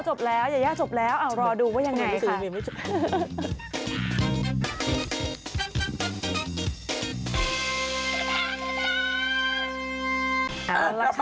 จบแล้วยาย่าจบแล้วรอดูว่ายังไง